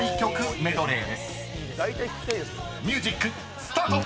［ミュージックスタート！］